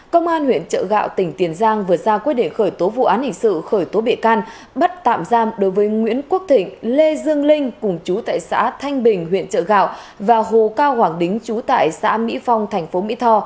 công an huyện trợ gạo tỉnh tiền giang vừa ra quyết định khởi tố vụ án hình sự khởi tố bị can bắt tạm giam đối với nguyễn quốc thịnh lê dương linh cùng chú tại xã thanh bình huyện trợ gạo và hồ cao hoàng đính trú tại xã mỹ phong tp mỹ tho